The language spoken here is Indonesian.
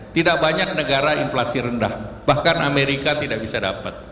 tidak banyak negara inflasi rendah bahkan amerika tidak bisa dapat